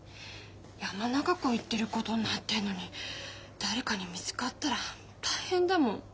山中湖行ってることになってんのに誰かに見つかったら大変だもん。